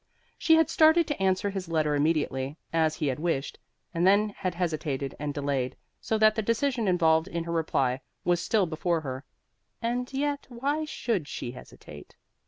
She had started to answer his letter immediately, as he had wished, and then had hesitated and delayed, so that the decision involved in her reply was still before her. And yet why should she hesitate?